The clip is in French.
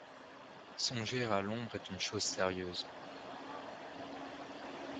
Songer à l’Ombre est une chose sérieuse.